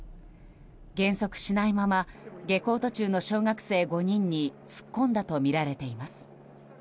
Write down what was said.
減速しないまま下校途中の小学生５人に突っ込んだとみられています。